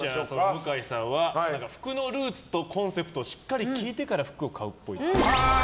向井さんは服のルーツとコンセプトしっかり聞いてから服を買うっぽい。